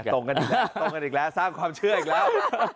ตรงกันอีกแล้วสร้างความเชื่ออีกแล้ว